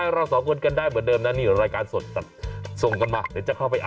เพราะฉะนั้นเรื่องนี้ยังไม่สรุป